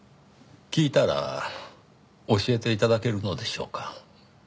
聞いたら教えて頂けるのでしょうか？